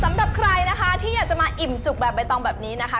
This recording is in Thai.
สำหรับใครนะคะที่อยากจะมาอิ่มจุกแบบใบตองแบบนี้นะคะ